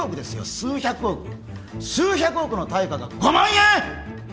数百億数百億の対価が５万円？